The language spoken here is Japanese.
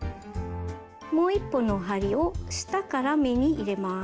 もう一本の針を下から目に入れます。